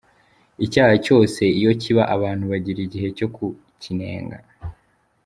Icyaha cyose iyo kiba abantu bagira igihe cyo kukinenga.